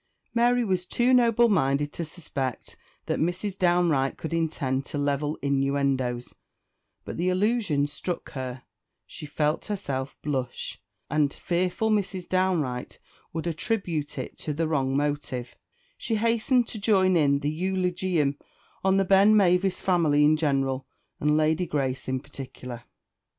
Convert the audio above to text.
Mary was too noble minded to suspect that Mrs. Downe Wright could intend to level innuendoes; but the allusion struck her; she felt herself blush; and, fearful Mrs. Downe Wright would attribute it to a wrong motive, she hastened to join in the eulogium on the Benmavis family in general, and Lady Grace in particular.